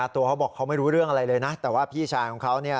เขาบอกเขาไม่รู้เรื่องอะไรเลยนะแต่ว่าพี่ชายของเขา